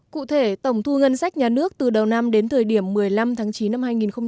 cụ thể tổng thu ngân sách nhà nước từ đầu năm đến thời điểm một mươi năm tháng chín năm hai nghìn một mươi chín